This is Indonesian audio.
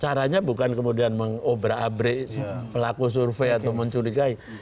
caranya bukan kemudian mengobra abri pelaku survei atau mencurigai